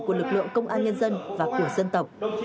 của lực lượng công an nhân dân và của dân tộc